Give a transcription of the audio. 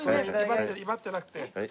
威張ってなくて。